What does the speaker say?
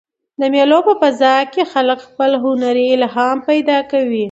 د مېلو په فضا کښي خلک خپل هنري الهام پیدا کوي.